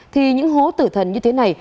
thì những hố tử thần như thế này